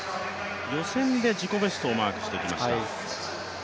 予選で自己ベストをマークしてきました。